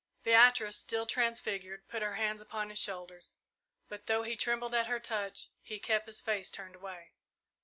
Beatrice, still transfigured, put her hands upon his shoulders; but, though he trembled at her touch, he kept his face turned away.